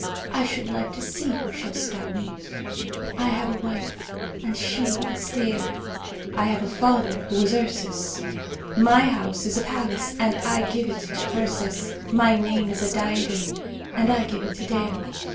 I should like to see who shall stop me. I have a wife, and she is Dea. I have a father, who is Ursus. My house is a palace, and I give it to Ursus. My name is a diadem, and I give it to Dea.